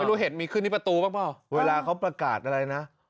รู้เห็ดมีขึ้นที่ประตูบ้างเปล่าเวลาเขาประกาศอะไรนะ